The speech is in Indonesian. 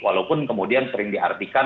walaupun kemudian sering diartikel